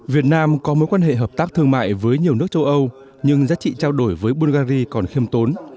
việt nam có mối quan hệ hợp tác thương mại với nhiều nước châu âu nhưng giá trị trao đổi với bulgari còn khiêm tốn